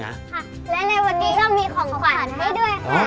และในวันนี้จะมีของขวัญด้วยค่ะ